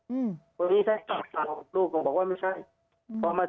อืมคนนี้ใช่ลูกสาวลูกผมบอกว่าไม่ใช่พอมา